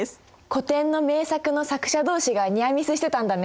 古典の名作の作者同士がニアミスしてたんだね。